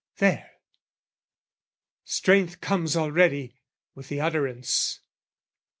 There, Strength comes already with the utterance!